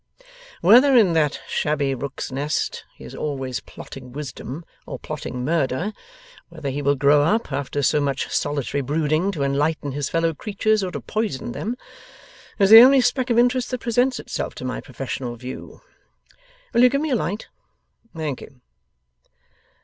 Whether, in that shabby rook's nest, he is always plotting wisdom, or plotting murder; whether he will grow up, after so much solitary brooding, to enlighten his fellow creatures, or to poison them; is the only speck of interest that presents itself to my professional view. Will you give me a light? Thank you.